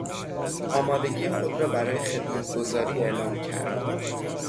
آمادگی خود را برای خدمتگزاری اعلام کرد.